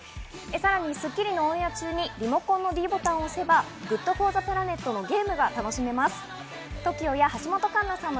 『スッキリ』のオンエア中にリモコンのｄボタンを押せばＧｏｏｄＦｏｒｔｈｅＰｌａｎｅｔのゲームが楽しめます。